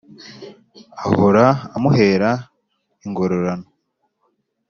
ahora amuhera ingororano.